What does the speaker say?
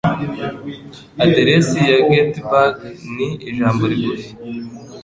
"Aderesi ya Gettysburg" ni ijambo rigufi.